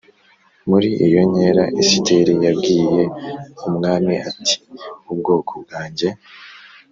Muri iyo nkera Esiteri yabwiye umwami ati ubwoko bwanjye